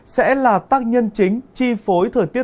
sẽ là tác nhân chính chi phối thời tiết